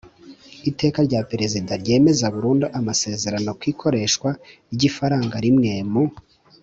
Iteka rya Perezida ryemeza burundu amasezerano ku ikoreshwa ry Ifaranga rimwe mu